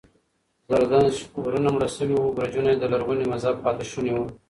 زردشت اورونه مړه شوي وو، برجونه یې د لرغوني مذهب پاتې شوني و.